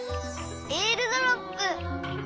えーるドロップ！